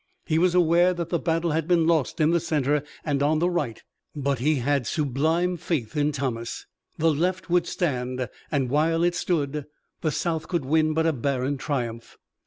He was aware that the battle had been lost in the center and on the right, but he had sublime faith in Thomas. The left would stand, and while it stood the South could win but a barren triumph.